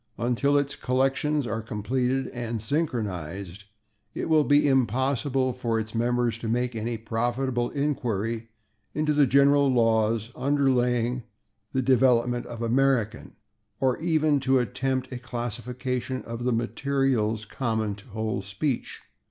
Until its collections are completed and synchronized, it will be impossible for its members to make any profitable inquiry into the general laws underlying the development of American, or even to attempt a classification of the materials common to the whole speech.